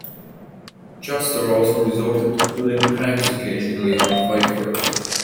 Juster also resorted to pulling pranks occasionally on Feiffer.